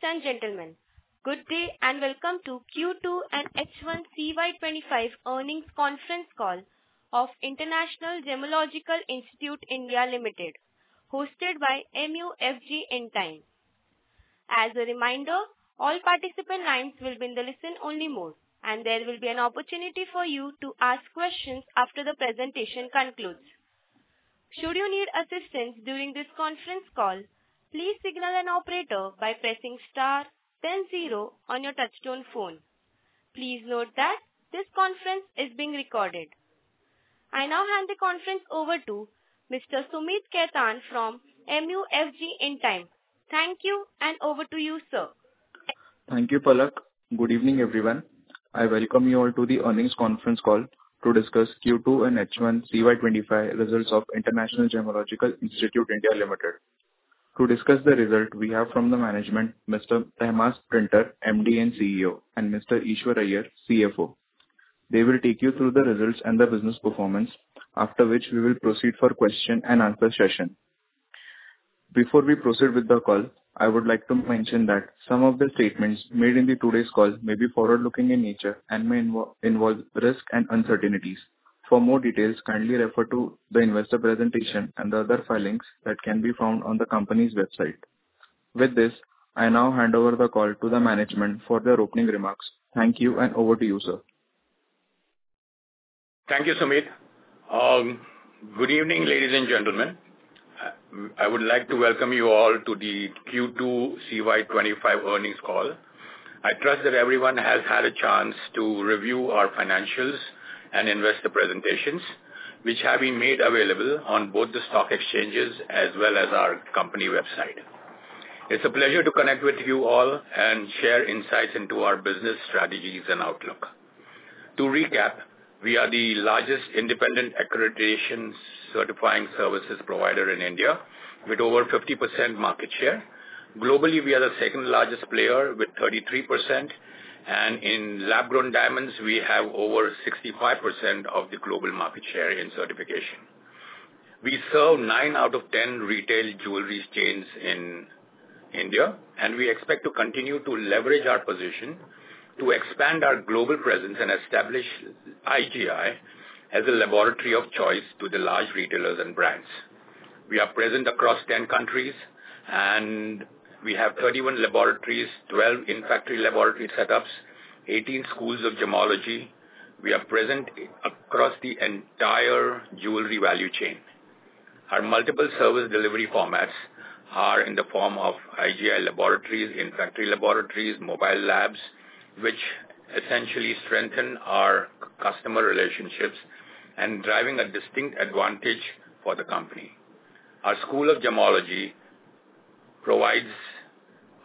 Ladies and gentlemen, good day and welcome to Q2 and H1 CY25 earnings conference call of International Gemmological Institute, India Limited, hosted by MUFG Intime. As a reminder, all participant lines will be in the listen-only mode, and there will be an opportunity for you to ask questions after the presentation concludes. Should you need assistance during this conference call, please signal an operator by pressing star then zero on your touch-tone phone. Please note that this conference is being recorded. I now hand the conference over to Mr. Sumeet Khaitan from MUFG Intime. Thank you, and over to you, sir. Thank you, Palak. Good evening, everyone. I welcome you all to the earnings conference call to discuss Q2 and H1 CY25 results of International Gemmological Institute, India Limited. To discuss the result, we have from the management Mr. Tehmasp Printer, MD and CEO, and Mr. Eashwar Iyer, CFO. They will take you through the results and the business performance, after which we will proceed for question-and-answer session. Before we proceed with the call, I would like to mention that some of the statements made in today's call may be forward-looking in nature and may involve risks and uncertainties. For more details, kindly refer to the investor presentation and the other filings that can be found on the company's website. With this, I now hand over the call to the management for their opening remarks. Thank you, and over to you, sir. Thank you, Sumeet. Good evening, ladies and gentlemen. I would like to welcome you all to the Q2 CY25 earnings call. I trust that everyone has had a chance to review our financials and investor presentations, which have been made available on both the stock exchanges as well as our company website. It's a pleasure to connect with you all and share insights into our business strategies and outlook. To recap, we are the largest independent accreditation certifying services provider in India, with over 50% market share. Globally, we are the second-largest player, with 33%, and in lab-grown diamonds, we have over 65% of the global market share in certification. We serve nine out of 10 retail jewelry chains in India, and we expect to continue to leverage our position to expand our global presence and establish IGI as a laboratory of choice to the large retailers and brands. We are present across 10 countries, and we have 31 laboratories, 12 in-factory laboratory setups, and 18 schools of gemology. We are present across the entire jewelry value chain. Our multiple service delivery formats are in the form of IGI laboratories, in-factory laboratories, mobile labs, which essentially strengthen our customer relationships and drive a distinct advantage for the company. Our school of gemology provides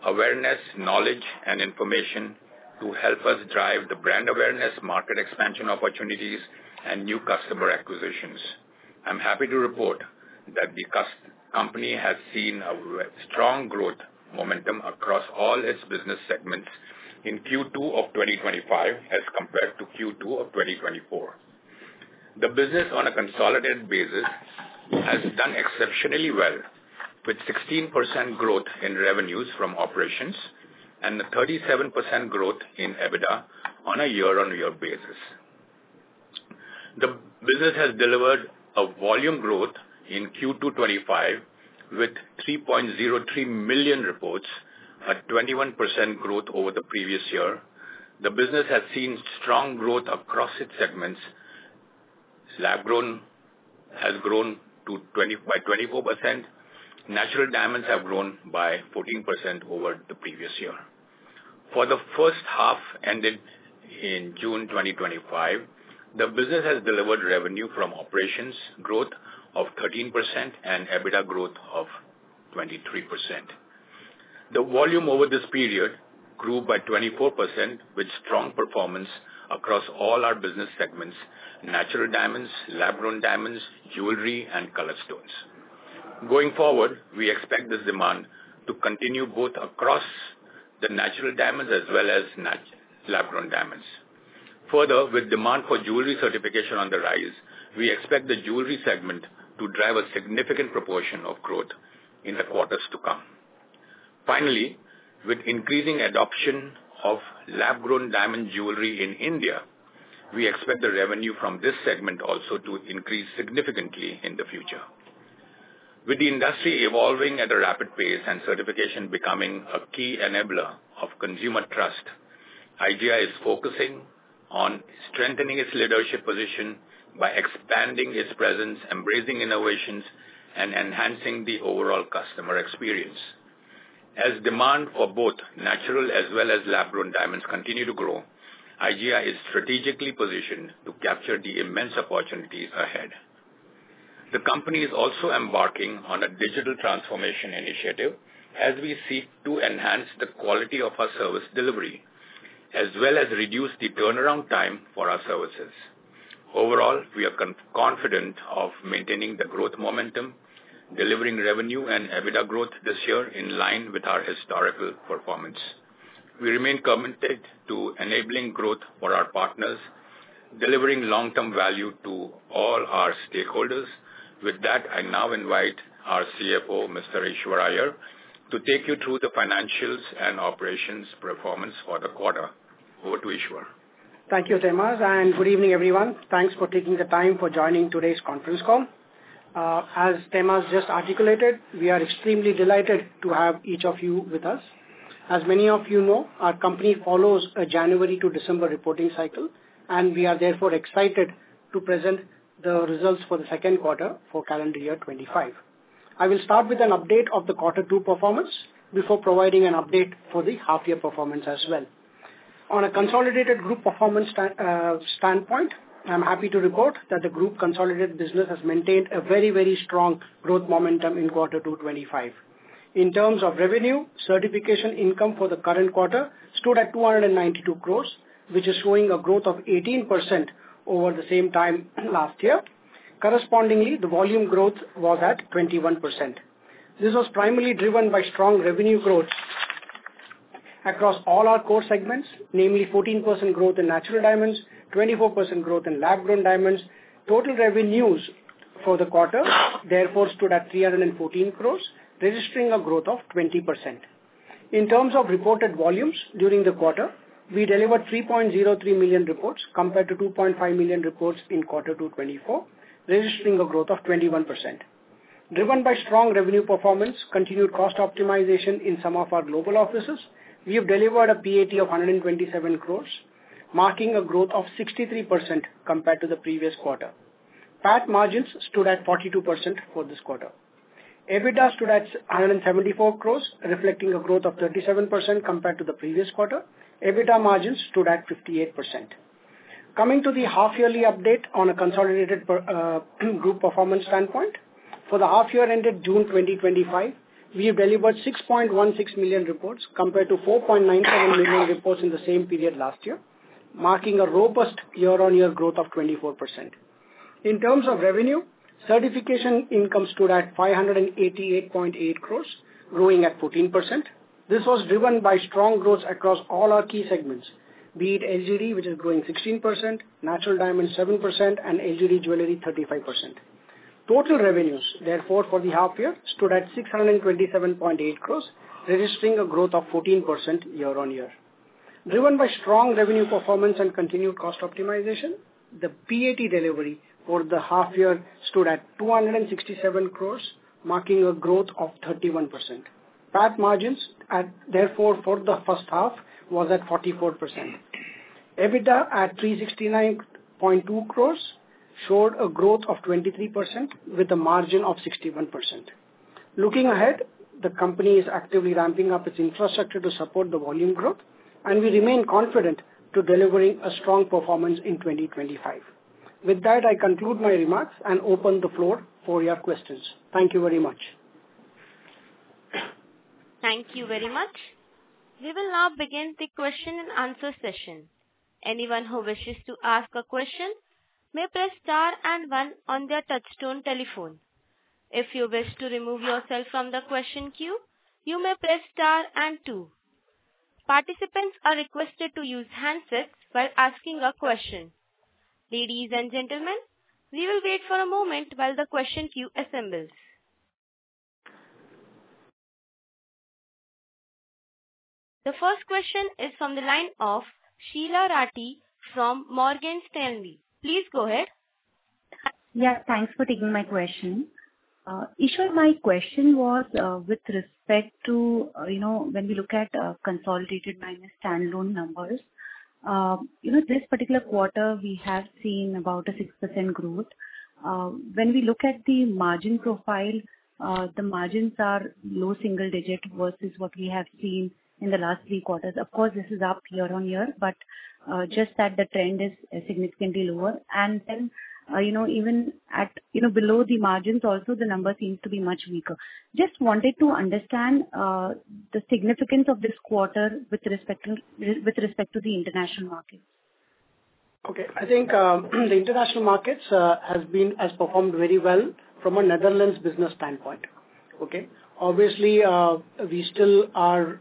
awareness, knowledge, and information to help us drive the brand awareness, market expansion opportunities, and new customer acquisitions. I'm happy to report that the company has seen a strong growth momentum across all its business segments in Q2 of 2025 as compared to Q2 of 2024. The business, on a consolidated basis, has done exceptionally well, with 16% growth in revenues from operations and 37% growth in EBITDA on a year-on-year basis. The business has delivered a volume growth in Q2 2025 with 3.03 million reports, a 21% growth over the previous year. The business has seen strong growth across its segments. Lab-grown has grown by 24%. Natural diamonds have grown by 14% over the previous year. For the first half ended in June 2025, the business has delivered revenue from operations growth of 13% and EBITDA growth of 23%. The volume over this period grew by 24%, with strong performance across all our business segments: natural diamonds, lab-grown diamonds, jewelry, and color stones. Going forward, we expect this demand to continue both across the natural diamonds as well as lab-grown diamonds. Further, with demand for jewelry certification on the rise, we expect the jewelry segment to drive a significant proportion of growth in the quarters to come. Finally, with increasing adoption of lab-grown diamond jewelry in India, we expect the revenue from this segment also to increase significantly in the future. With the industry evolving at a rapid pace and certification becoming a key enabler of consumer trust, IGI is focusing on strengthening its leadership position by expanding its presence, embracing innovations, and enhancing the overall customer experience. As demand for both natural as well as lab-grown diamonds continues to grow, IGI is strategically positioned to capture the immense opportunities ahead. The company is also embarking on a digital transformation initiative as we seek to enhance the quality of our service delivery as well as reduce the turnaround time for our services. Overall, we are confident of maintaining the growth momentum, delivering revenue and EBITDA growth this year in line with our historical performance. We remain committed to enabling growth for our partners, delivering long-term value to all our stakeholders. With that, I now invite our CFO, Mr. Eashwar Iyer, to take you through the financials and operations performance for the quarter. Over to Eashwar. Thank you, Tehmasp, and good evening, everyone. Thanks for taking the time for joining today's conference call. As Tehmasp just articulated, we are extremely delighted to have each of you with us. As many of you know, our company follows a January to December reporting cycle, and we are therefore excited to present the results for the second quarter for calendar year 2025. I will start with an update of the quarter two performance before providing an update for the half-year performance as well. On a consolidated group performance standpoint, I'm happy to report that the group consolidated business has maintained a very, very strong growth momentum in quarter two 2025. In terms of revenue, certification income for the current quarter stood at 292 crores, which is showing a growth of 18% over the same time last year. Correspondingly, the volume growth was at 21%. This was primarily driven by strong revenue growth across all our core segments, namely 14% growth in natural diamonds, 24% growth in lab-grown diamonds. Total revenues for the quarter, therefore, stood at 314 crores, registering a growth of 20%. In terms of reported volumes during the quarter, we delivered 3.03 million reports compared to 2.5 million reports in quarter two 2024, registering a growth of 21%. Driven by strong revenue performance, continued cost optimization in some of our global offices, we have delivered a PAT of 127 crores, marking a growth of 63% compared to the previous quarter. PAT margins stood at 42% for this quarter. EBITDA stood at 174 crores, reflecting a growth of 37% compared to the previous quarter. EBITDA margins stood at 58%. Coming to the half-yearly update on a consolidated group performance standpoint, for the half-year ended June 2025, we have delivered 6.16 million reports compared to 4.97 million reports in the same period last year, marking a robust year-on-year growth of 24%. In terms of revenue, certification income stood at 588.8 crores, growing at 14%. This was driven by strong growth across all our key segments, be it LGD, which is growing 16%, natural diamonds 7%, and LGD jewelry 35%. Total revenues, therefore, for the half-year stood at 627.8 crores, registering a growth of 14% year-on-year. Driven by strong revenue performance and continued cost optimization, the PAT delivery for the half-year stood at 267 crores, marking a growth of 31%. PAT margins, therefore, for the first half was at 44%. EBITDA at 369.2 crores showed a growth of 23% with a margin of 61%. Looking ahead, the company is actively ramping up its infrastructure to support the volume growth, and we remain confident in delivering a strong performance in 2025. With that, I conclude my remarks and open the floor for your questions. Thank you very much. Thank you very much. We will now begin the question-and-answer session. Anyone who wishes to ask a question may press star and one on their touch-tone telephone. If you wish to remove yourself from the question queue, you may press star and two. Participants are requested to use handsets while asking a question. Ladies and gentlemen, we will wait for a moment while the question queue assembles. The first question is from the line of Sheela Rathi from Morgan Stanley. Please go ahead. Yeah, thanks for taking my question. Eashwar, my question was with respect to when we look at consolidated minus standalone numbers, this particular quarter we have seen about a 6% growth. When we look at the margin profile, the margins are low single-digit versus what we have seen in the last three quarters. Of course, this is up year-on-year, but just that the trend is significantly lower. And then even below the margins, also the number seems to be much weaker. Just wanted to understand the significance of this quarter with respect to the international markets. Okay. I think the international markets have performed very well from a Netherlands business standpoint. Okay. Obviously, we still are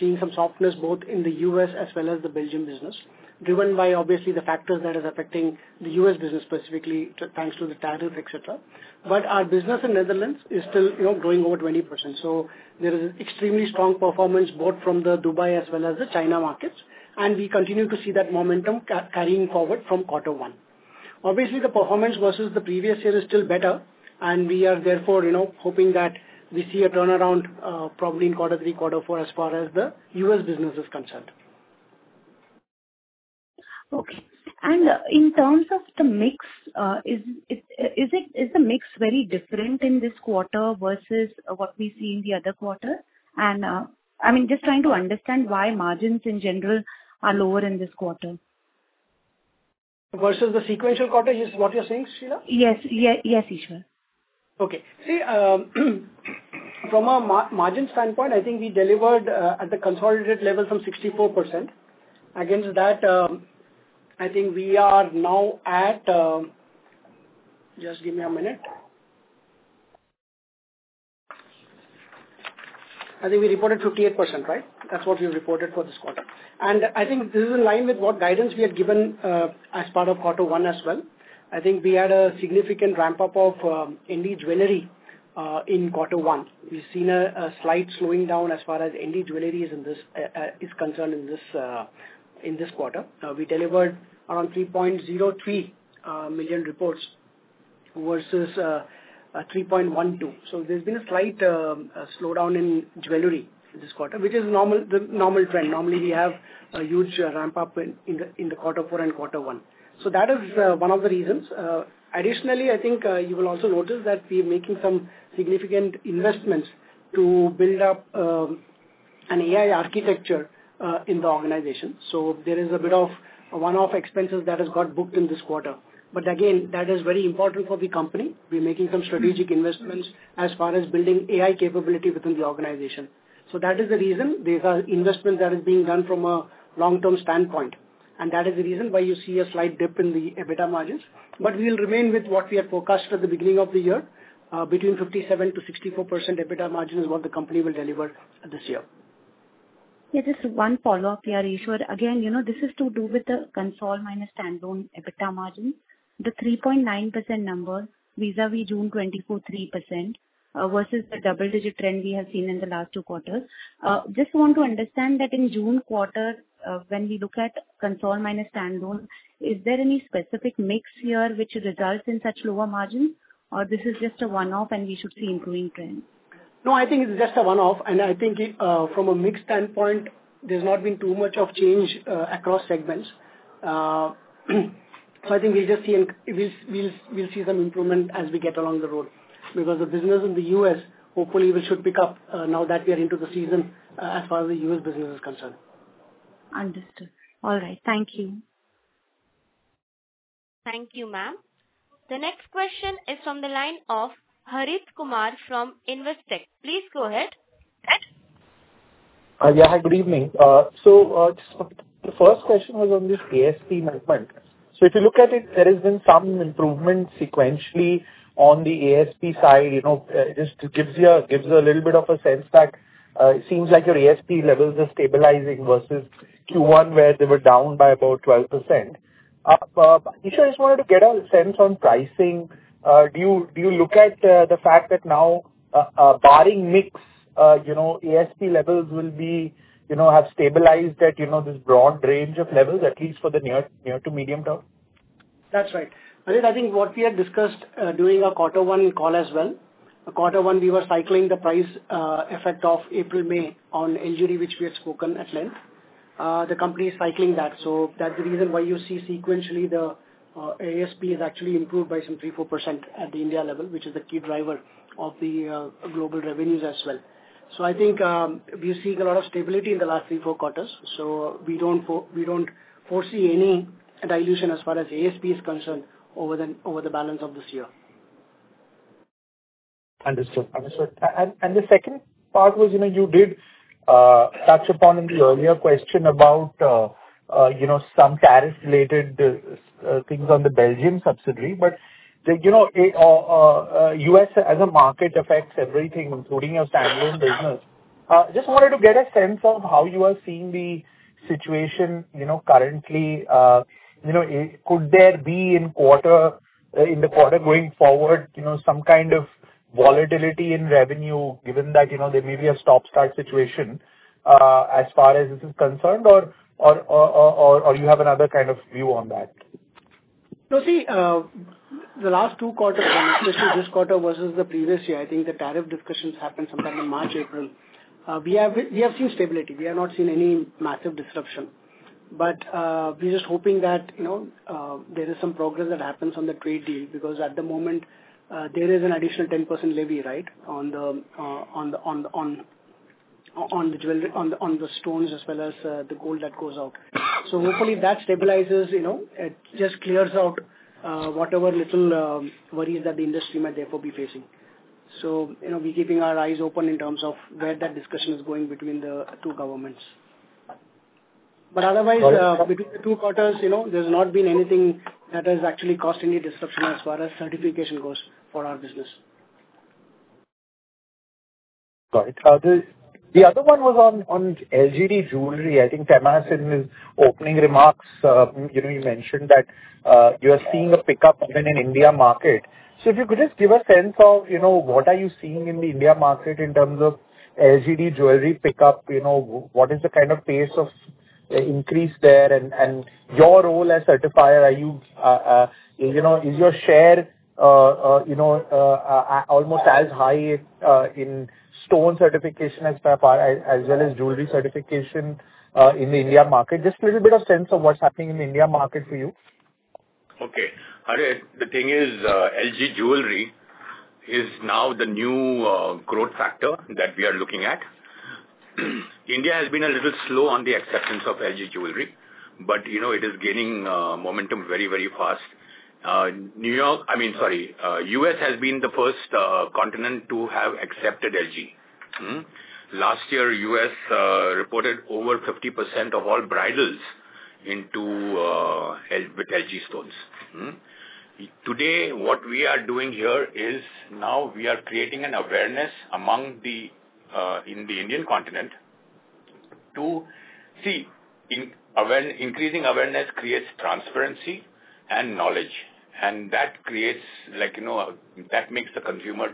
seeing some softness both in the U.S. as well as the Belgium business, driven by obviously the factors that are affecting the U.S. business specifically thanks to the tariff, etc. But our business in Netherlands is still growing over 20%. So there is an extremely strong performance both from the Dubai as well as the China markets, and we continue to see that momentum carrying forward from quarter one. Obviously, the performance versus the previous year is still better, and we are therefore hoping that we see a turnaround probably in quarter three, quarter four as far as the U.S. business is concerned. Okay. And in terms of the mix, is the mix very different in this quarter versus what we see in the other quarter? And I mean, just trying to understand why margins in general are lower in this quarter. Versus the sequential quarter, is this what you're saying, Sheela? Yes. Yes, Eashwar. Okay. See, from a margin standpoint, I think we delivered at the consolidated level from 64%. Against that, I think we are now at just give me a minute. I think we reported 58%, right? That's what we reported for this quarter. And I think this is in line with what guidance we had given as part of quarter one as well. I think we had a significant ramp-up of ND jewelry in quarter one. We've seen a slight slowing down as far as ND jewelry is concerned in this quarter. We delivered around 3.03 million reports versus 3.12 million. So there's been a slight slowdown in jewelry this quarter, which is the normal trend. Normally, we have a huge ramp-up in quarter four and quarter one. So that is one of the reasons. Additionally, I think you will also notice that we are making some significant investments to build up an AI architecture in the organization. So there is a bit of one-off expenses that have got booked in this quarter. But again, that is very important for the company. We are making some strategic investments as far as building AI capability within the organization. So that is the reason there's an investment that is being done from a long-term standpoint. And that is the reason why you see a slight dip in the EBITDA margins. But we will remain with what we had forecast at the beginning of the year, between 57%-64% EBITDA margin is what the company will deliver this year. Yeah, just one follow-up here, Eashwar. Again, this is to do with the consolidated minus standalone EBITDA margin. The 3.9% number vis-à-vis June 24, 3% versus the double-digit trend we have seen in the last two quarters. Just want to understand that in June quarter, when we look at consolidated minus standalone, is there any specific mix here which results in such lower margins, or this is just a one-off and we should see an improving trend? No, I think it's just a one-off. And I think from a mixed standpoint, there's not been too much of change across segments. So I think we'll just see some improvement as we get along the road because the business in the U.S. hopefully should pick up now that we are into the season as far as the U.S. business is concerned. Understood. All right. Thank you. Thank you, ma'am. The next question is from the line of Harit Kapoor from Investec. Please go ahead. Yeah, hi, good evening. So the first question was on this ASP movement. So if you look at it, there has been some improvement sequentially on the ASP side. It just gives you a little bit of a sense that it seems like your ASP levels are stabilizing versus Q1 where they were down by about 12%. Eashwar, I just wanted to get a sense on pricing. Do you look at the fact that now barring mix, ASP levels will have stabilized at this broad range of levels, at least for the near to medium term? That's right. I think what we had discussed during our quarter one call as well, quarter one, we were cycling the price effect of April, May on LGD, which we had spoken at length. The company is cycling that. So that's the reason why you see sequentially the ASP is actually improved by some 3%-4% at the India level, which is the key driver of the global revenues as well. So I think we're seeing a lot of stability in the last three or four quarters. So we don't foresee any dilution as far as ASP is concerned over the balance of this year. Understood. Understood. And the second part was you did touch upon in the earlier question about some tariff-related things on the Belgium subsidy. But U.S. as a market affects everything, including your standalone business. Just wanted to get a sense of how you are seeing the situation currently. Could there be in the quarter going forward some kind of volatility in revenue, given that there may be a stop-start situation as far as this is concerned, or do you have another kind of view on that? No, see, the last two quarters, especially this quarter versus the previous year, I think the tariff discussions happened sometime in March, April. We have seen stability. We have not seen any massive disruption. But we're just hoping that there is some progress that happens on the trade deal because at the moment, there is an additional 10% levy, right, on the stones as well as the gold that goes out. So hopefully that stabilizes, it just clears out whatever little worries that the industry might therefore be facing. So we're keeping our eyes open in terms of where that discussion is going between the two governments. But otherwise, between the two quarters, there's not been anything that has actually caused any disruption as far as certification goes for our business. Got it. The other one was on LGD jewelry. I think Tehmasp has in his opening remarks, you mentioned that you are seeing a pickup even in India market. So if you could just give a sense of what are you seeing in the India market in terms of LGD jewelry pickup, what is the kind of pace of increase there, and your role as certifier, is your share almost as high in stone certification as well as jewelry certification in the India market? Just a little bit of sense of what's happening in the India market for you. Okay. The thing is, LG jewelry is now the new growth factor that we are looking at. India has been a little slow on the acceptance of LG jewelry, but it is gaining momentum very, very fast. I mean, sorry, U.S. has been the first continent to have accepted LG. Last year, U.S. reported over 50% of all bridals with LG stones. Today, what we are doing here is now we are creating an awareness among the Indian continent to see increasing awareness creates transparency and knowledge, and that makes the consumer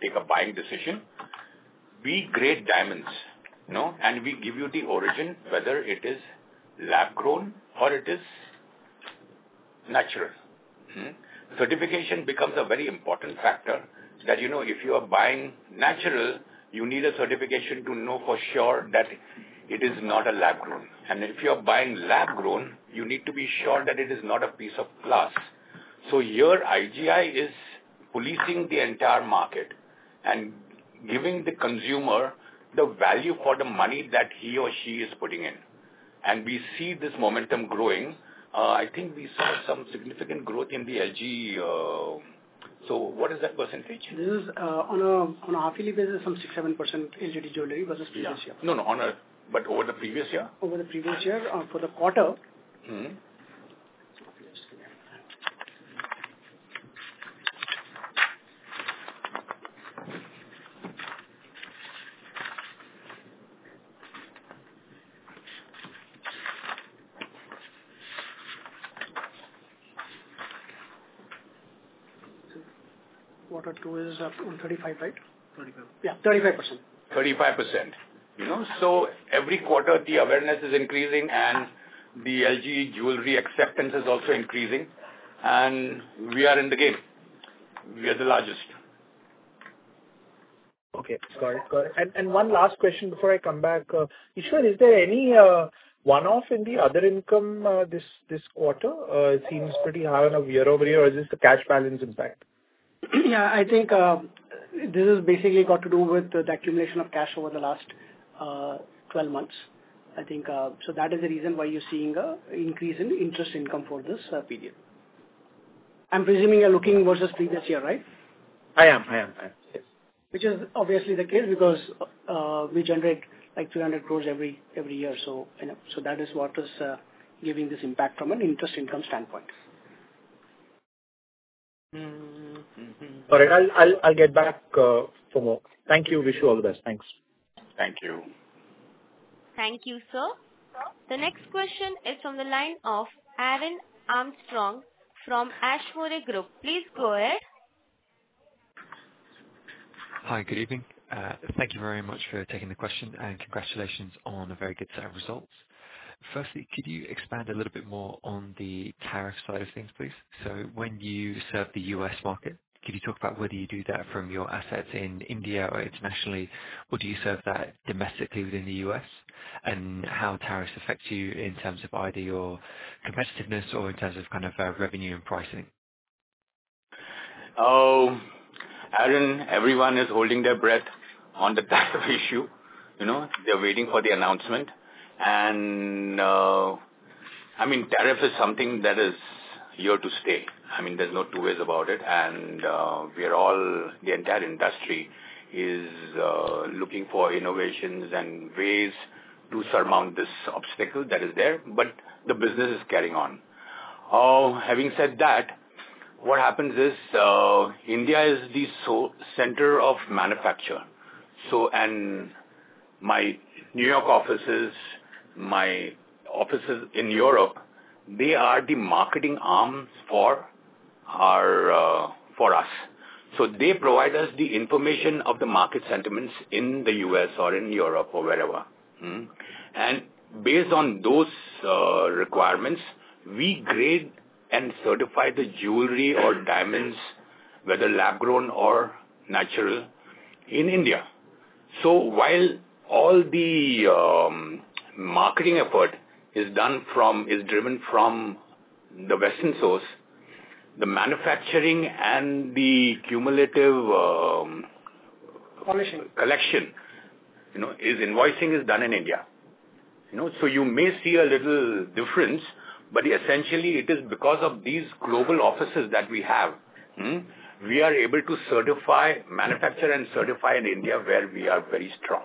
take a buying decision. We grade diamonds, and we give you the origin, whether it is lab-grown or it is natural. Certification becomes a very important factor that if you are buying natural, you need a certification to know for sure that it is not a lab-grown. And if you are buying lab-grown, you need to be sure that it is not a piece of glass. So here IGI is policing the entire market and giving the consumer the value for the money that he or she is putting in. And we see this momentum growing. I think we saw some significant growth in the LG. So what is that percentage? It is on a happy basis, some 6%-7% LGD jewelry versus previous year. No, no. But over the previous year? Over the previous year for the quarter. Quarter two is on 35%, right? 35%. Yeah, 35%. 35%. So every quarter, the awareness is increasing, and the LG jewelry acceptance is also increasing, and we are in the game. We are the largest. Okay. Got it. Got it. And one last question before I come back. Eashwar, is there any one-off in the other income this quarter? It seems pretty high on a year-over-year. Is this the cash balance impact? Yeah, I think this has basically got to do with the accumulation of cash over the last 12 months. I think so that is the reason why you're seeing an increase in interest income for this period. I'm presuming you're looking versus previous year, right? I am. I am. Which is obviously the case because we generate like 300 crores every year. So that is what is giving this impact from an interest income standpoint. All right. I'll get back tomorrow. Thank you. Wish you all the best. Thanks. Thank you. Thank you, sir. The next question is from the line of Aaron Armstrong from Ashmore Group. Please go ahead. Hi, good evening. Thank you very much for taking the question, and congratulations on a very good set of results. Firstly, could you expand a little bit more on the tariff side of things, please? So when you serve the U.S. market, could you talk about whether you do that from your assets in India or internationally, or do you serve that domestically within the U.S., and how tariffs affect you in terms of either your competitiveness or in terms of kind of revenue and pricing? Aaron, everyone is holding their breath on the tariff issue. They're waiting for the announcement. And I mean, tariff is something that is here to stay. I mean, there's no two ways about it. And the entire industry is looking for innovations and ways to surmount this obstacle that is there, but the business is carrying on. Having said that, what happens is India is the center of manufacture. And my New York offices, my offices in Europe, they are the marketing arms for us. So they provide us the information of the market sentiments in the U.S. or in Europe or wherever. And based on those requirements, we grade and certify the jewelry or diamonds, whether lab-grown or natural in India. So while all the marketing effort is driven from the Western source, the manufacturing and the cumulative collection and invoicing is done in India. You may see a little difference, but essentially, it is because of these global offices that we have. We are able to certify, manufacture, and certify in India where we are very strong.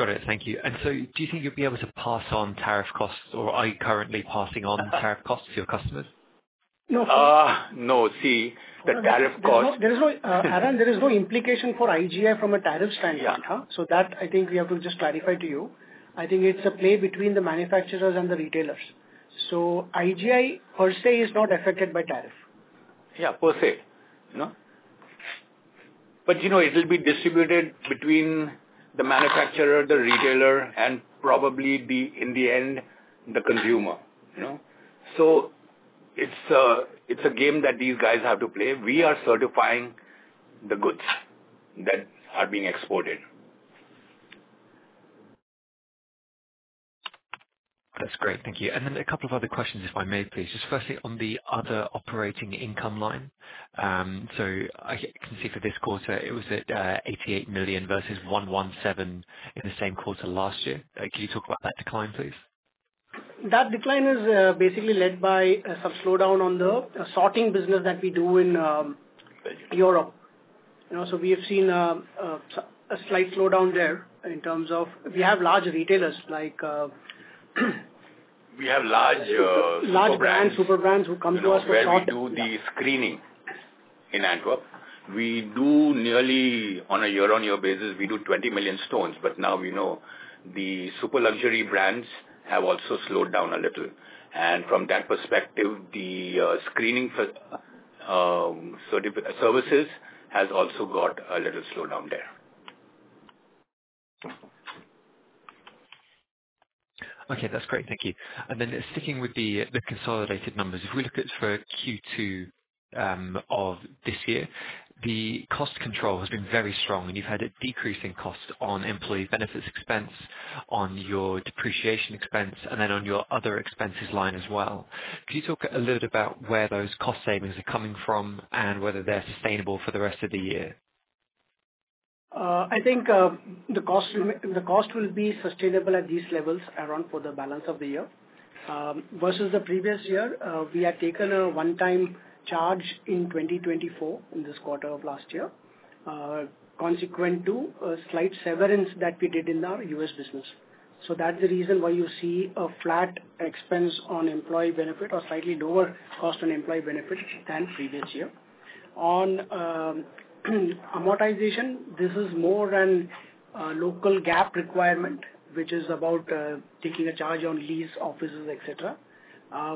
Got it. Thank you. And so do you think you'll be able to pass on tariff costs, or are you currently passing on tariff costs to your customers? No. No. See, the tariff cost. Aaron, there is no implication for IGI from a tariff standpoint. So that, I think we have to just clarify to you. I think it's a play between the manufacturers and the retailers. So IGI per se is not affected by tariff. Yeah, per se. But it'll be distributed between the manufacturer, the retailer, and probably in the end, the consumer. So it's a game that these guys have to play. We are certifying the goods that are being exported. That's great. Thank you. And then a couple of other questions, if I may, please. Just firstly, on the other operating income line. So I can see for this quarter, it was at 88 million versus 117 million in the same quarter last year. Could you talk about that decline, please? That decline is basically led by some slowdown on the sorting business that we do in Europe. So we have seen a slight slowdown there in terms of we have large retailers like. We have large super brands. Large brands, super brands who come to us for. Do the screening in Antwerp. We do nearly on a year-on-year basis, we do 20 million stones. But now we know the super luxury brands have also slowed down a little. And from that perspective, the screening services has also got a little slowdown there. Okay. That's great. Thank you. And then sticking with the consolidated numbers, if we look at for Q2 of this year, the cost control has been very strong, and you've had a decrease in cost on employee benefits expense, on your depreciation expense, and then on your other expenses line as well. Could you talk a little bit about where those cost savings are coming from and whether they're sustainable for the rest of the year? I think the cost will be sustainable at these levels around for the balance of the year. Versus the previous year, we had taken a one-time charge in 2024, in this quarter of last year, consequent to a slight severance that we did in our U.S. business. So that's the reason why you see a flat expense on employee benefit or slightly lower cost on employee benefit than previous year. On amortization, this is more than a local GAAP requirement, which is about taking a charge on lease, offices, etc.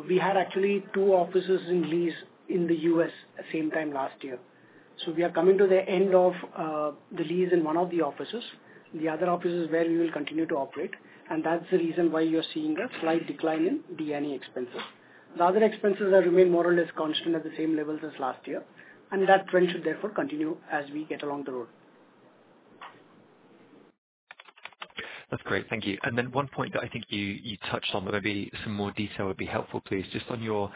We had actually two offices in lease in the U.S. at the same time last year. So we are coming to the end of the lease in one of the offices, the other offices where we will continue to operate. That's the reason why you're seeing a slight decline in D&A expenses. The other expenses have remained more or less constant at the same levels as last year, and that trend should therefore continue as we get along the road. That's great. Thank you. And then one point that I think you touched on, but maybe some more detail would be helpful, please, just on your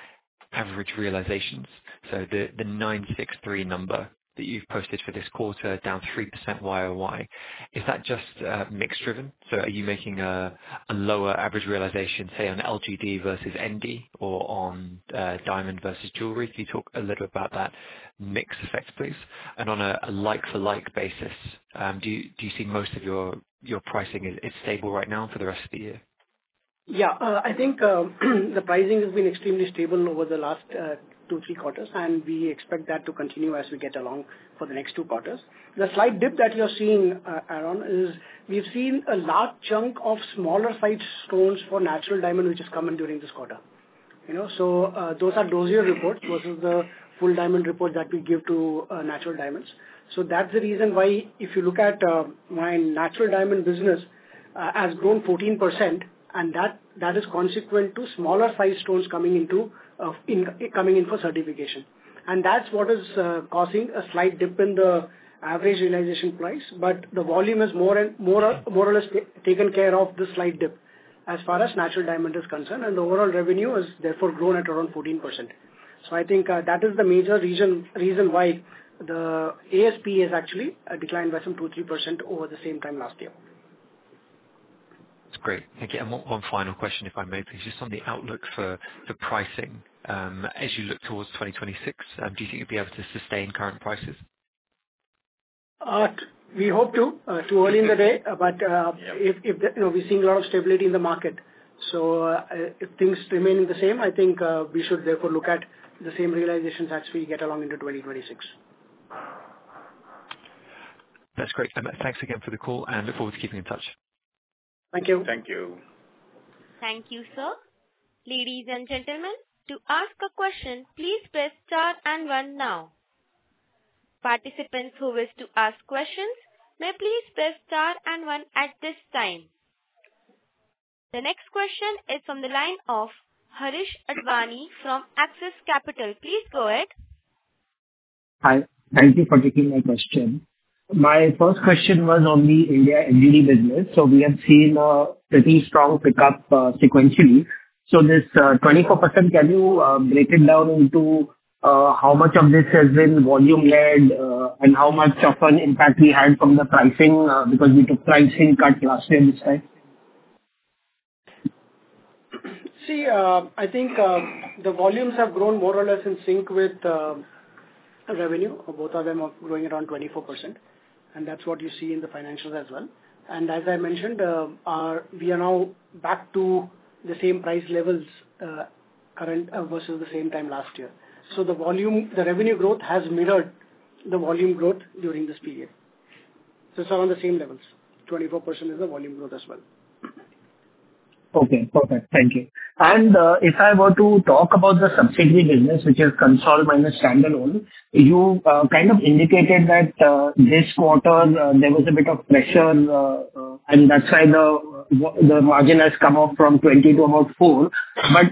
average realizations. So the 963 number that you've posted for this quarter, down 3% YOY. Is that just mixed-driven? So are you making a lower average realization, say, on LGD versus ND or on diamond versus jewelry? Could you talk a little bit about that mixed effect, please? And on a like-for-like basis, do you see most of your pricing is stable right now for the rest of the year? Yeah. I think the pricing has been extremely stable over the last two, three quarters, and we expect that to continue as we get along for the next two quarters. The slight dip that you're seeing, Aaron, is we've seen a large chunk of smaller-sized stones for natural diamond, which has come in during this quarter. So those are those dossier reports versus the full diamond reports that we give to natural diamonds. So that's the reason why if you look at my natural diamond business, it has grown 14%, and that is consequent to smaller-sized stones coming in for certification. And that's what is causing a slight dip in the average realization price, but the volume has more or less taken care of the slight dip as far as natural diamond is concerned, and the overall revenue has therefore grown at around 14%. So I think that is the major reason why the ASP has actually declined by some 2%-3% over the same time last year. That's great. Thank you. And one final question, if I may, please, just on the outlook for pricing as you look towards 2026. Do you think you'll be able to sustain current prices? We hope to, too. Early in the day. But we're seeing a lot of stability in the market. So if things remain the same, I think we should therefore look at the same realizations as we get along into 2026. That's great. Thanks again for the call, and look forward to keeping in touch. Thank you. Thank you. Thank you, sir. Ladies and gentlemen, to ask a question, please press star and one now. Participants who wish to ask questions, may please press star and one at this time. The next question is from the line of Harish Advani from Axis Capital. Please go ahead. Hi. Thank you for taking my question. My first question was on the India LGD business. So we have seen a pretty strong pickup sequentially. So this 24%, can you break it down into how much of this has been volume-led and how much of an impact we had from the pricing because we took pricing cuts last year this time? See, I think the volumes have grown more or less in sync with revenue. Both of them are growing around 24%, and that's what you see in the financials as well. And as I mentioned, we are now back to the same price levels versus the same time last year. So the revenue growth has mirrored the volume growth during this period. So it's around the same levels. 24% is the volume growth as well. Okay. Perfect. Thank you. And if I were to talk about the subsidiary business, which is console minus standalone, you kind of indicated that this quarter there was a bit of pressure, and that's why the margin has come up from 20% to about 4%.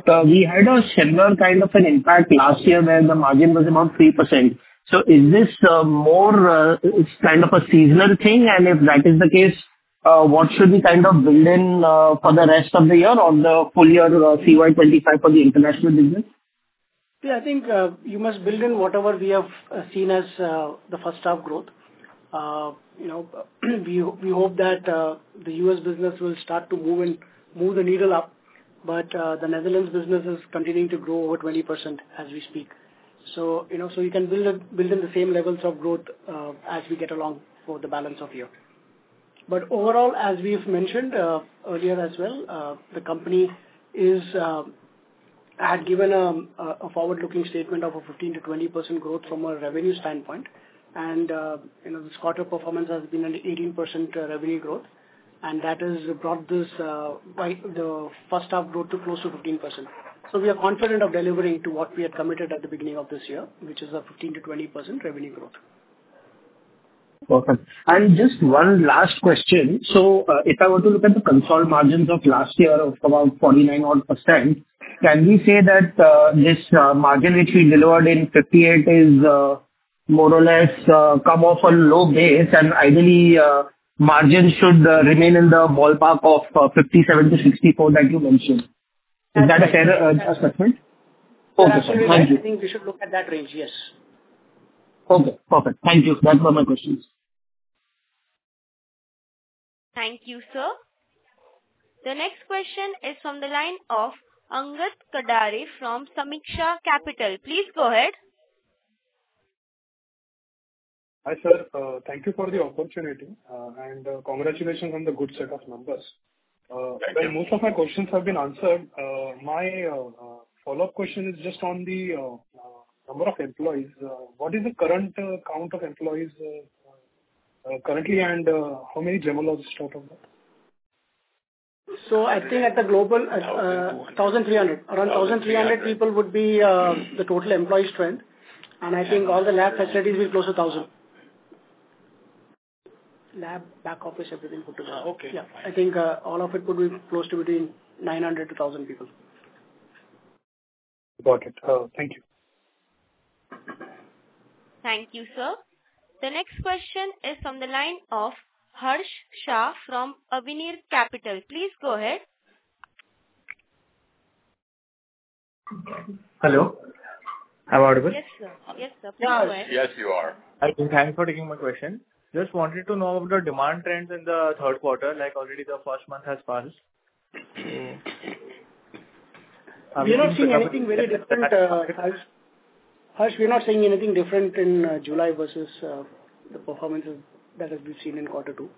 But we had a similar kind of an impact last year where the margin was about 3%. So is this more kind of a seasonal thing? And if that is the case, what should we kind of build in for the rest of the year on the full year CY25 for the international business? Yeah. I think you must build in whatever we have seen as the first-half growth. We hope that the U.S. business will start to move and move the needle up, but the Netherlands business is continuing to grow over 20% as we speak. So you can build in the same levels of growth as we get along for the balance of the year. But overall, as we've mentioned earlier as well, the company had given a forward-looking statement of a 15%-20% growth from a revenue standpoint, and this quarter performance has been an 18% revenue growth, and that has brought the first-half growth to close to 15%. So we are confident of delivering to what we had committed at the beginning of this year, which is a 15%-20% revenue growth. Perfect. And just one last question. So if I were to look at the consolidated margins of last year of about 49 odd percent, can we say that this margin which we delivered in 2018 has more or less come off a low base, and ideally, margins should remain in the ballpark of 57%-64% that you mentioned? Is that a fair assessment? Yeah. Okay. Thank you. I think we should look at that range. Yes. Okay. Perfect. Thank you. That were my questions. Thank you, sir. The next question is from the line of Angad Katdare from Sameeksha Capital. Please go ahead. Hi, sir. Thank you for the opportunity, and congratulations on the good set of numbers. Well, most of my questions have been answered. My follow-up question is just on the number of employees. What is the current count of employees currently, and how many gemmologists out of that? So, I think globally 1,300. Around 1,300 people would be the total employee strength. And I think all the lab facilities will close to 1,000. Lab, back office, everything put together. Yeah. I think all of it would be close to between 900-1,000 people. Got it. Thank you. Thank you, sir. The next question is from the line of Harsh Shah from Avener Capital. Please go ahead. Hello. Am I audible? Yes, sir. Yes, sir. Please go ahead. Yes. Yes, you are. I'm thankful for taking my question. Just wanted to know about the demand trends in the third quarter, like already the first month has passed. We're not seeing anything very different. Harsh, we're not seeing anything different in July versus the performance that has been seen in quarter two.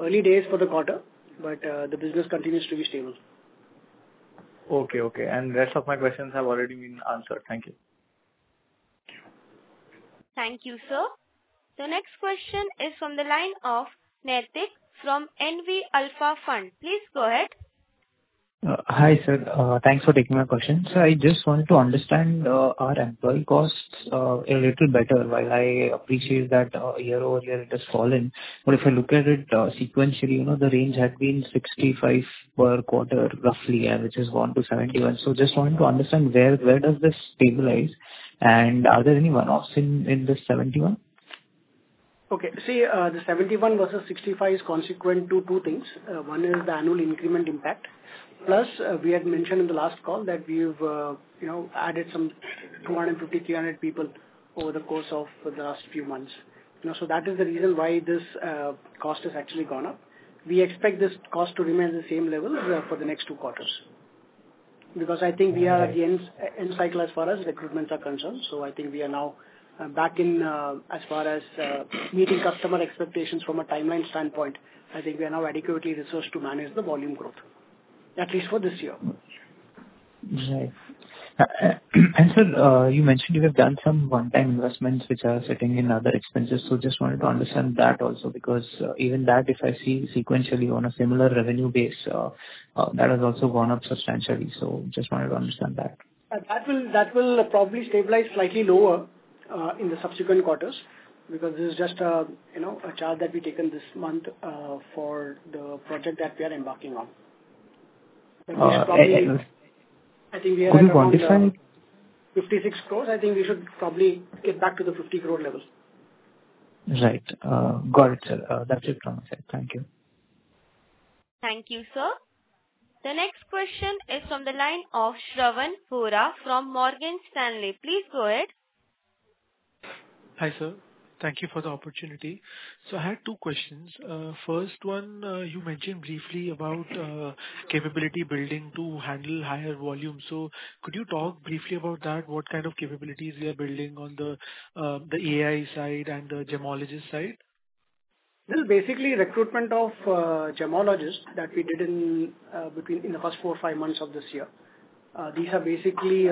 Early days for the quarter, but the business continues to be stable. Okay. Okay. And the rest of my questions have already been answered. Thank you. Thank you, sir. The next question is from the line of Naitik from NV Alpha Fund. Please go ahead. Hi sir. Thanks for taking my question. So I just wanted to understand our employee costs a little better. While I appreciate that year-over-year, it has fallen, but if I look at it sequentially, the range had been 65 crore per quarter, roughly, which is gone to 71 crore. So just wanted to understand where does this stabilize, and are there any one-offs in this 71 crore? Okay. See, the 71 crore versus 65 crore is consequent to two things. One is the annual increment impact, plus we had mentioned in the last call that we've added some 250, 300 people over the course of the last few months. So that is the reason why this cost has actually gone up. We expect this cost to remain at the same level for the next two quarters because I think we are again in cycle as far as recruitments are concerned. So I think we are now back in as far as meeting customer expectations from a timeline standpoint. I think we are now adequately resourced to manage the volume growth, at least for this year. Nice. And, sir, you mentioned you have done some one-time investments which are sitting in other expenses. So just wanted to understand that also because even that, if I see sequentially on a similar revenue base, that has also gone up substantially. So just wanted to understand that. That will probably stabilize slightly lower in the subsequent quarters because this is just a chart that we've taken this month for the project that we are embarking on. I think we are at around INR 56 crore. Can you quantify? INR 56 crores. I think we should probably get back to the 50 crore level. Right. Got it, sir. That's it from my side. Thank you. Thank you, sir. The next question is from the line of Shravan Vohra from Morgan Stanley. Please go ahead. Hi, sir. Thank you for the opportunity, so I had two questions. First one, you mentioned briefly about capability building to handle higher volume, so could you talk briefly about that? What kind of capabilities we are building on the AI side and the gemologist side? This is basically recruitment of gemmologists that we did in the first four or five months of this year. These are basically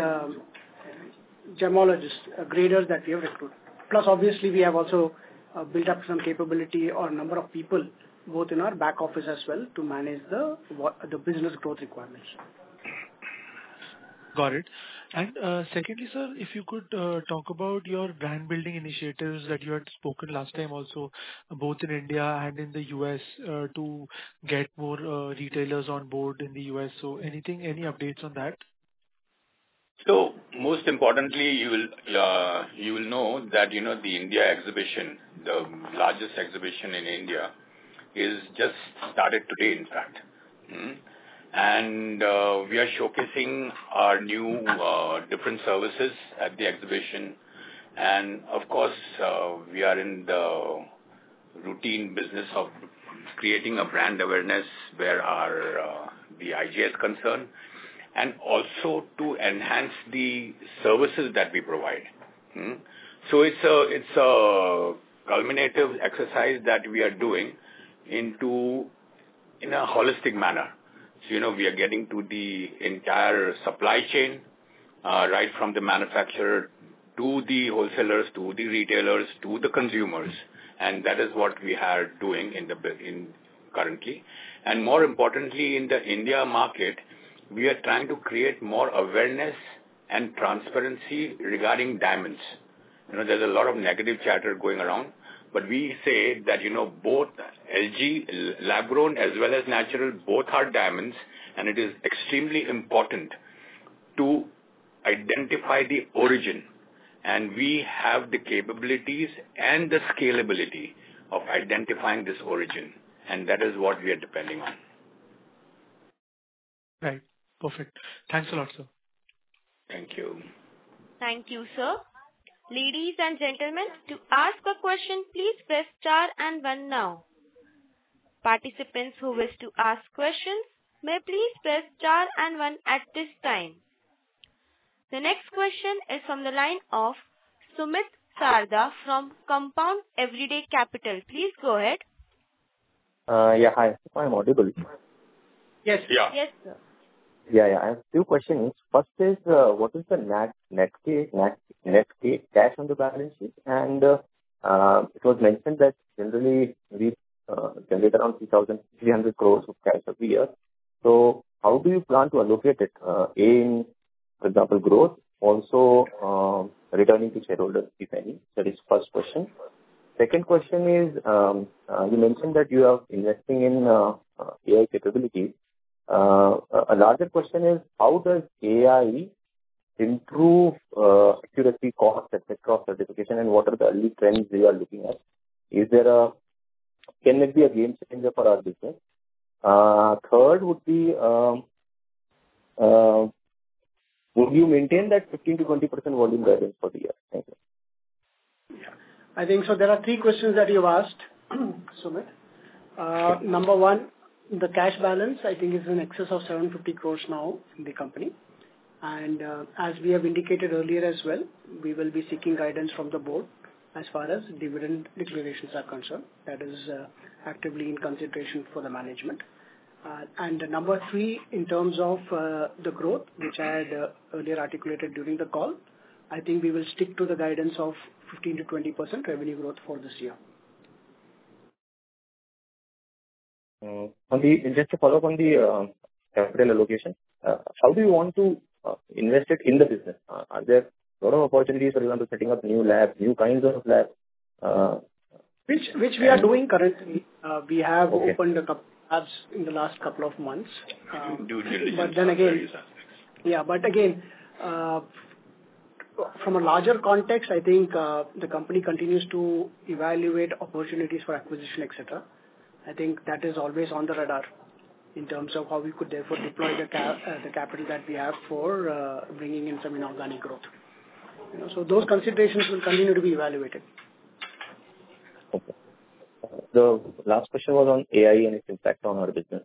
gemmologist graders that we have recruited. Plus, obviously, we have also built up some capability or number of people both in our back office as well to manage the business growth requirements. Got it. And secondly, sir, if you could talk about your brand-building initiatives that you had spoken last time also, both in India and in the U.S., to get more retailers on board in the U.S. So any updates on that? So most importantly, you will know that the India exhibition, the largest exhibition in India, has just started today, in fact. And we are showcasing our new different services at the exhibition. And of course, we are in the routine business of creating a brand awareness where the IGI is concerned and also to enhance the services that we provide. So it's a cumulative exercise that we are doing in a holistic manner. So we are getting to the entire supply chain right from the manufacturer to the wholesalers to the retailers to the consumers. And that is what we are doing currently. And more importantly, in the India market, we are trying to create more awareness and transparency regarding diamonds. There's a lot of negative chatter going around, but we say that both LG lab-grown as well as Natural, both are diamonds, and it is extremely important to identify the origin, and we have the capabilities and the scalability of identifying this origin, and that is what we are depending on. Right. Perfect. Thanks a lot, sir. Thank you. Thank you, sir. Ladies and gentlemen, to ask a question, please press star and one now. Participants who wish to ask questions, may please press star and one at this time. The next question is from the line of Sumit Sarda from Compound Everyday Capital. Please go ahead. Yeah. Hi. I'm audible. Yes. Yeah. Yes, sir. Yeah. Yeah. I have two questions. First is, what is the net cash on the balance sheet? And it was mentioned that generally, we generate around 3,300 crores of cash every year. So how do you plan to allocate it? A, in, for example, growth, also returning to shareholders, if any? So that is the first question. Second question is, you mentioned that you are investing in AI capabilities. A larger question is, how does AI improve accuracy, cost, etc., certification, and what are the early trends we are looking at? Can it be a game changer for our business? Third would be, would you maintain that 15%-20% volume guidance for the year? Thank you. Yeah. I think so. There are three questions that you've asked, Sumit. Number one, the cash balance, I think, is in excess of 750 crores now in the company. And as we have indicated earlier as well, we will be seeking guidance from the board as far as dividend declarations are concerned. That is actively in consideration for the management. And number three, in terms of the growth, which I had earlier articulated during the call, I think we will stick to the guidance of 15%-20% revenue growth for this year. Just to follow up on the capital allocation, how do you want to invest it in the business? Are there a lot of opportunities, for example, setting up new labs, new kinds of labs? Which we are doing currently. We have opened a couple of labs in the last couple of months. But then again, from a larger context, I think the company continues to evaluate opportunities for acquisition, etc. I think that is always on the radar in terms of how we could therefore deploy the capital that we have for bringing in some inorganic growth. So those considerations will continue to be evaluated. Okay. The last question was on AI and its impact on our business.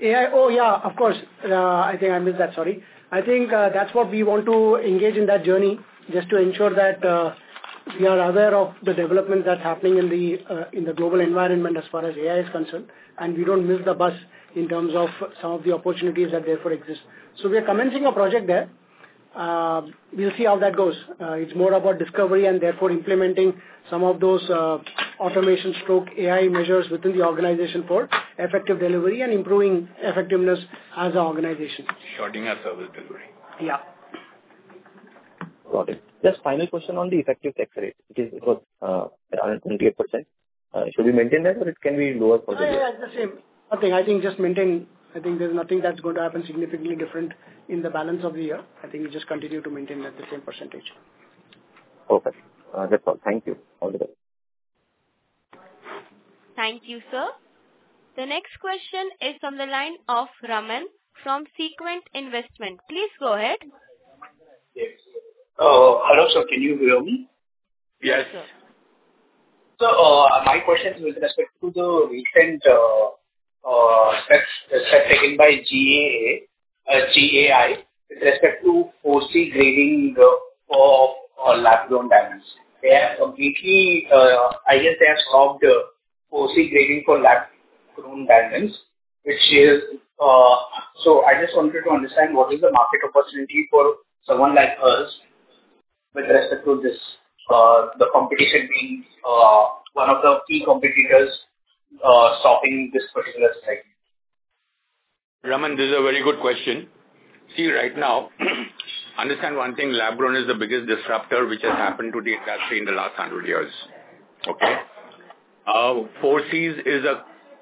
AI? Oh, yeah. Of course. I think I missed that. Sorry. I think that's what we want to engage in that journey just to ensure that we are aware of the development that's happening in the global environment as far as AI is concerned, and we don't miss the bus in terms of some of the opportunities that therefore exist. So we are commencing a project there. We'll see how that goes. It's more about discovery and therefore implementing some of those automation stroke AI measures within the organization for effective delivery and improving effectiveness as an organization. Shortening our service delivery. Yeah. Got it. Just final question on the effective tax rate, which is around 28%. Should we maintain that, or it can be lower for the year? Yeah. It's the same. Nothing. I think just maintain. I think there's nothing that's going to happen significantly different in the balance of the year. I think we just continue to maintain at the same percentage. Perfect. That's all. Thank you. All the best. Thank you, sir. The next question is from the line of Raman from Sequent Investments. Please go ahead. Hello, sir. Can you hear me? Yes. Yes, sir. My question is with respect to the recent steps taken by GIA with respect to 4Cs grading for lab-grown diamonds. I guess they have stopped 4Cs grading for lab-grown diamonds, which is so I just wanted to understand what is the market opportunity for someone like us with respect to this, the competition being one of the key competitors stopping this particular service? Raman, this is a very good question. See, right now, understand one thing. Lab-grown is the biggest disruptor which has happened to the industry in the last 100 years. Okay? 4Cs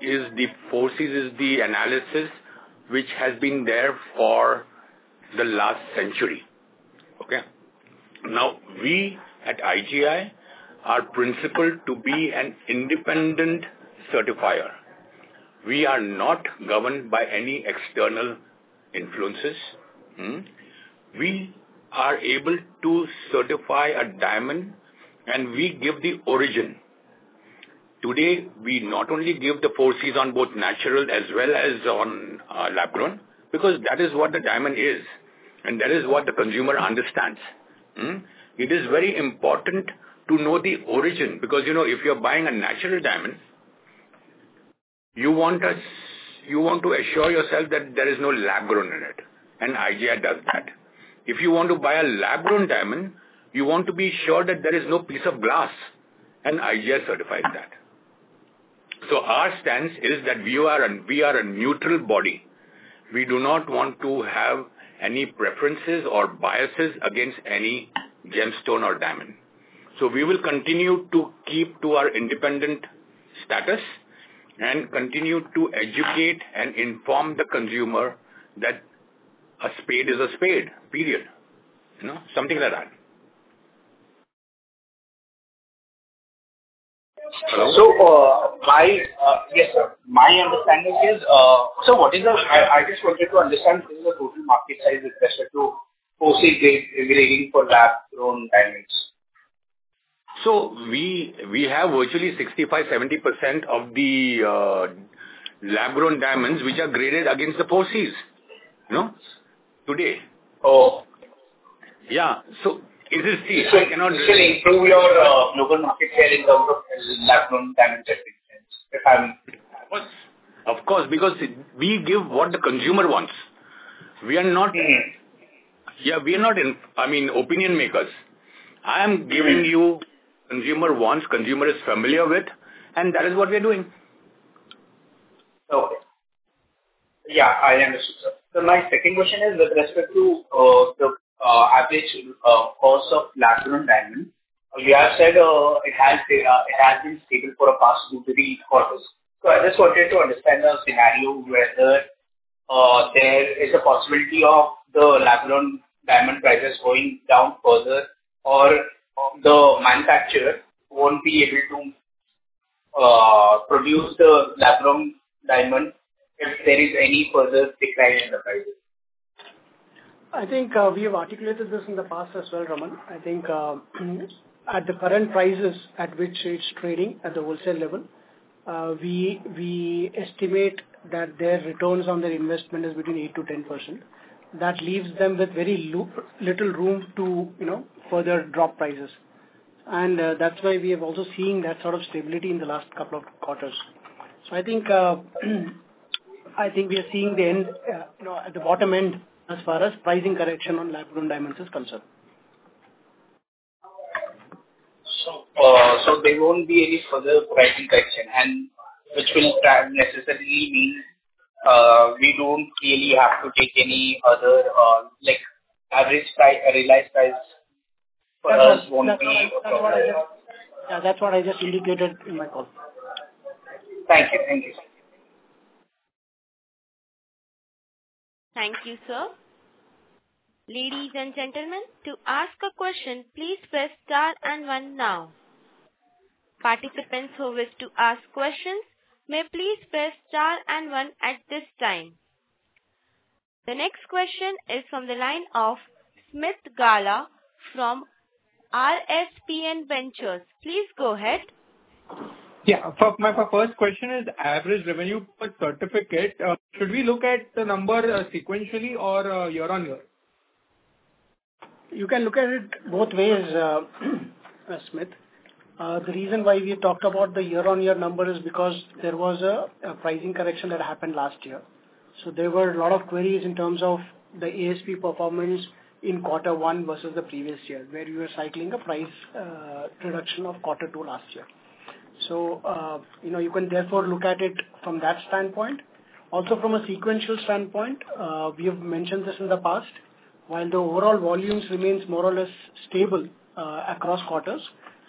is the analysis which has been there for the last century. Okay? Now, we at IGI are principled to be an independent certifier. We are not governed by any external influences. We are able to certify a diamond, and we give the origin. Today, we not only give the 4Cs on both natural as well as on lab-grown because that is what the diamond is, and that is what the consumer understands. It is very important to know the origin because if you're buying a natural diamond, you want to assure yourself that there is no lab-grown in it, and IGI does that. If you want to buy a lab-grown diamond, you want to be sure that there is no piece of glass, and IGI certifies that. So our stance is that we are a neutral body. We do not want to have any preferences or biases against any gemstone or diamond. So we will continue to keep to our independent status and continue to educate and inform the consumer that a spade is a spade, period. Something like that. Hello? Yes, sir. My understanding is, I just wanted to understand what is the total market size with respect to 4Cs grading for lab-grown diamonds? So we have virtually 65%-70% of the lab-grown diamonds which are graded against the 4Cs today. Yeah. So it is still I cannot. So you can improve your global market share in terms of lab-grown diamonds certification if I'm correct? Of course. Because we give what the consumer wants. We are not, I mean, opinion makers. I am giving you consumer wants, consumer is familiar with, and that is what we are doing. Okay. Yeah. I understood, sir. So my second question is with respect to the average cost of lab-grown diamonds. You have said it has been stable for the past two to three quarters. So I just wanted to understand the scenario whether there is a possibility of the lab-grown diamond prices going down further or the manufacturer won't be able to produce the lab-grown diamond if there is any further declining in the prices? I think we have articulated this in the past as well, Raman. I think at the current prices at which it's trading at the wholesale level, we estimate that their returns on their investment is between 8%-10%. That leaves them with very little room to further drop prices, and that's why we have also seen that sort of stability in the last couple of quarters, so I think we are seeing the end at the bottom end as far as pricing correction on lab-grown diamonds is concerned. So there won't be any further pricing correction, which will necessarily mean we don't really have to take any other average realized price for us won't be affected. Yeah. That's what I just indicated in my call. Thank you. Thank you. Thank you, sir. Ladies and gentlemen, to ask a question, please press star and one now. Participants who wish to ask questions, may please press star and one at this time. The next question is from the line of Smith Gala from RSPN Ventures. Please go ahead. Yeah. My first question is average revenue per certificate. Should we look at the number sequentially or year-on-year? You can look at it both ways, Smith. The reason why we talked about the year-on-year number is because there was a pricing correction that happened last year. So there were a lot of queries in terms of the ASP performance in quarter one versus the previous year where we were cycling a price reduction of quarter two last year. So you can therefore look at it from that standpoint. Also, from a sequential standpoint, we have mentioned this in the past. While the overall volumes remain more or less stable across quarters,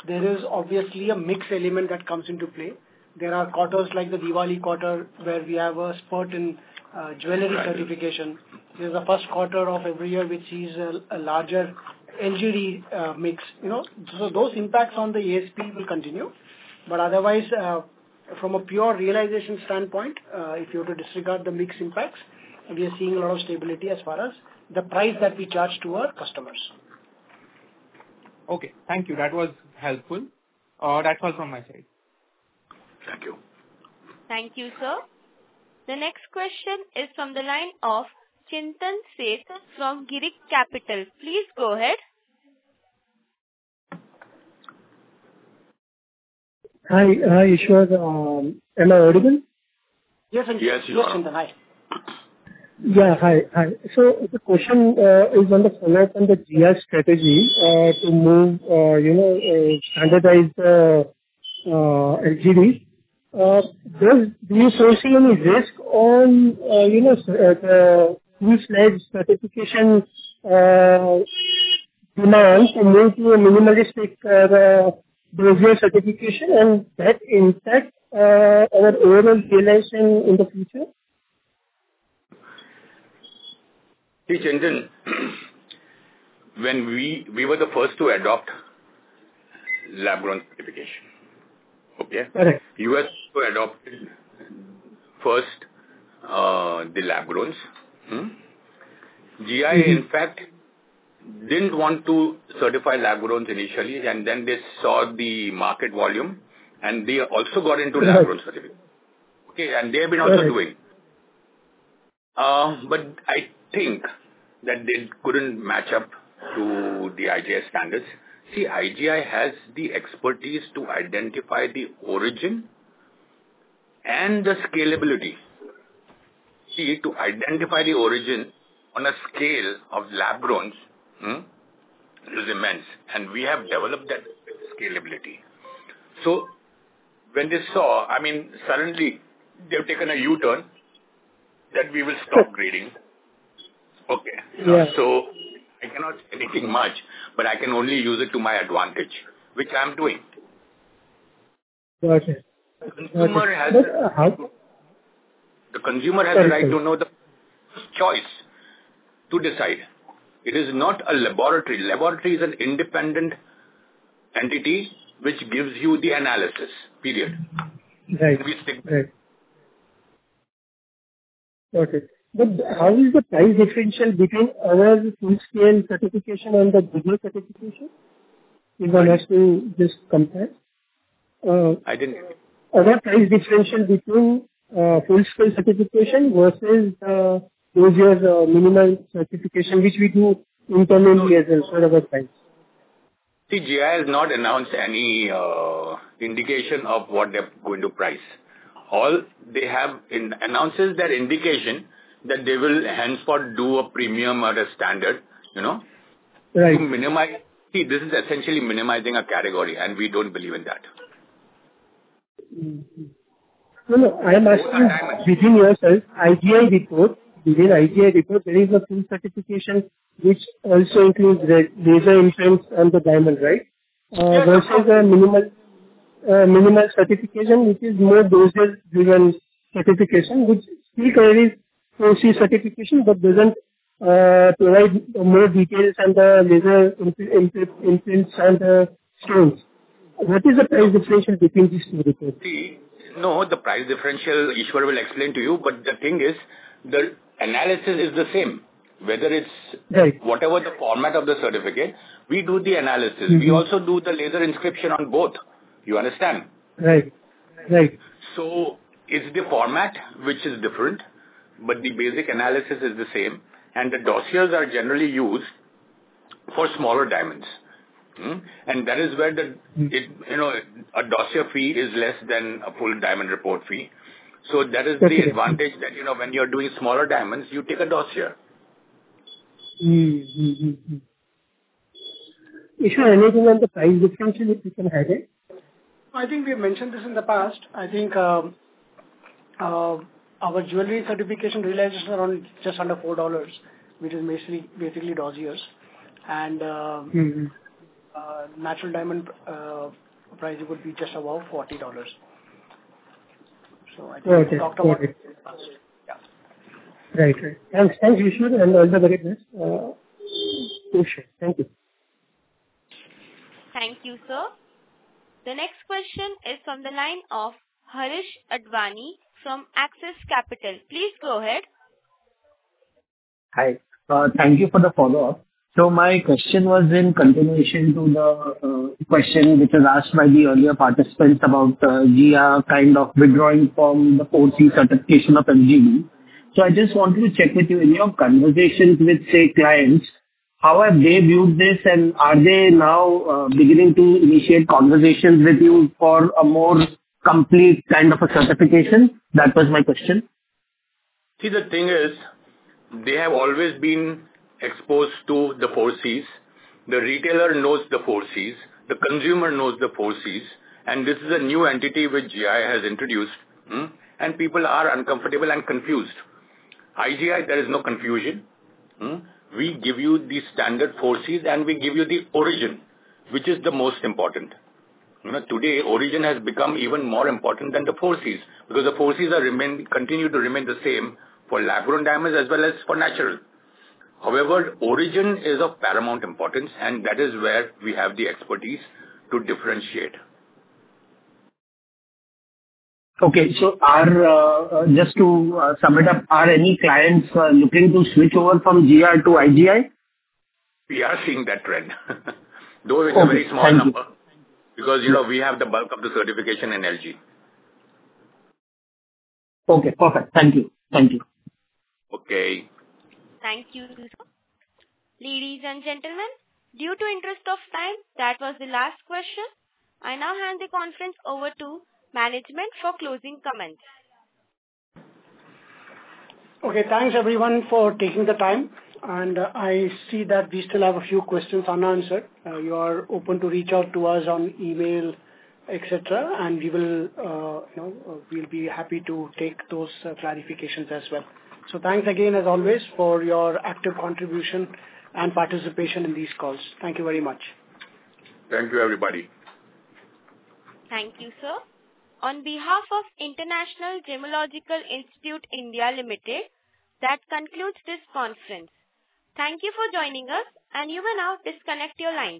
there is obviously a mixed element that comes into play. There are quarters like the Diwali quarter where we have a spurt in jewelry certification. There's a first quarter of every year which sees a larger LGD mix. So those impacts on the ASP will continue. But otherwise, from a pure realization standpoint, if you were to disregard the mixed impacts, we are seeing a lot of stability as far as the price that we charge to our customers. Okay. Thank you. That was helpful. That's all from my side. Thank you. Thank you, sir. The next question is from the line of Chintan Sheth from Girik Capital. Please go ahead. Hi. Hi, Eashwar. Am I audible? Yes, sir. Yes, Eashwar. Yes, Chintan. Hi. Yeah. Hi. Hi. So the question is on the follow-up on the IGI strategy to move standardized LGD. Do you foresee any risk on the full-fledged certification demand to move to a minimalistic dossier certification and that impact our overall realization in the future? Hey, Chintan. We were the first to adopt lab-grown certification. Okay? You were the first to adopt the lab-growns. GIA, in fact, didn't want to certify lab-growns initially, and then they saw the market volume, and they also got into lab-grown certification. Okay, and they have been also doing, but I think that they couldn't match up to the IGI standards. See, IGI has the expertise to identify the origin and the scalability. See, to identify the origin on a scale of lab-growns is immense, and we have developed that scalability, so when they saw, I mean, suddenly they've taken a U-turn that we will stop grading. Okay, so I cannot say anything much, but I can only use it to my advantage, which I'm doing. Got it. The consumer has the right to know the choice to decide. It is not a laboratory. Laboratory is an independent entity which gives you the analysis. Period. It will be stigmatized. Right. Okay. But how is the price differential between our full-scale certification and the dossier certification if one has to just compare? I didn't. Other price differential between full-scale certification versus dossier minimal certification, which we do internally as a set of price? See, GIA has not announced any indication of what they're going to price. All they have announced is their indication that they will henceforth do a premium or a standard or minimal. See, this is essentially minimizing a category, and we don't believe in that. No, no. I am asking within yourself, IGI report, within IGI report, there is a full certification which also includes the laser inscription and the diamond, right, versus a minimal certification which is more dossier-driven certification, which still carries 4Cs certification but doesn't provide more details on the laser imprints and the stones. What is the price differential between these two reports? See, no, the price differential, Eashwar will explain to you. But the thing is the analysis is the same. Whether it's whatever the format of the certificate, we do the analysis. We also do the laser inscription on both. You understand? Right. Right. So it's the format which is different, but the basic analysis is the same. And the dossiers are generally used for smaller diamonds. And that is where a dossier fee is less than a full diamond report fee. So that is the advantage that when you're doing smaller diamonds, you take a dossier. Eashwar, anything on the price differential if you can have it? I think we have mentioned this in the past. I think our jewelry certification realization is around just under $4, which is basically dossiers, and natural diamond price would be just above $40, so I think we talked about it in the past. Yeah. Right. Right. Thanks, Eashwar, and all the very best. Thank you. Thank you, sir. The next question is from the line of Harish Advani from Axis Capital. Please go ahead. Hi. Thank you for the follow-up. So my question was in continuation to the question which was asked by the earlier participants about GIA kind of withdrawing from the 4C certification of LGD. So I just wanted to check with you in your conversations with, say, clients, how have they viewed this, and are they now beginning to initiate conversations with you for a more complete kind of a certification? That was my question. See, the thing is they have always been exposed to the 4Cs. The retailer knows the 4Cs. The consumer knows the 4Cs. And this is a new entity which GIA has introduced, and people are uncomfortable and confused. IGI, there is no confusion. We give you the standard 4Cs, and we give you the origin, which is the most important. Today, origin has become even more important than the 4Cs because the 4Cs continue to remain the same for lab-grown diamonds as well as for natural. However, origin is of paramount importance, and that is where we have the expertise to differentiate. Okay, so just to sum it up, are any clients looking to switch over from GIA to IGI? We are seeing that trend. Those are a very small number because we have the bulk of the certification in LG. Okay. Perfect. Thank you. Thank you. Okay. Thank you, Tehmasp. Ladies and gentlemen, in the interest of time, that was the last question. I now hand the conference over to management for closing comments. Okay. Thanks, everyone, for taking the time. And I see that we still have a few questions unanswered. You are open to reach out to us on email, etc., and we will be happy to take those clarifications as well. So thanks again, as always, for your active contribution and participation in these calls. Thank you very much. Thank you, everybody. Thank you, sir. On behalf of International Gemmological Institute, India Limited, that concludes this conference. Thank you for joining us, and you may now disconnect your line.